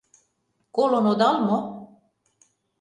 Колын одал мо?